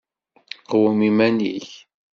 Qwem iman-ik.